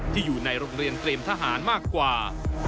อยู่ในโรงเรียนเตรียมทหารมากกว่า